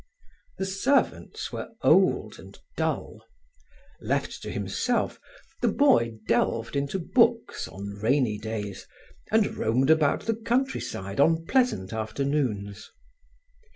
The servants were old and dull. Left to himself, the boy delved into books on rainy days and roamed about the countryside on pleasant afternoons.